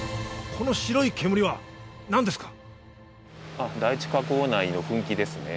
この白い煙は何ですか？